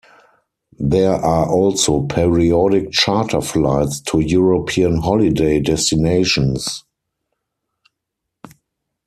There are also periodic charter flights to European holiday destinations.